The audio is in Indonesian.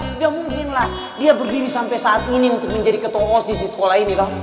tidak mungkinlah dia berdiri sampai saat ini untuk menjadi ketua osis di sekolah ini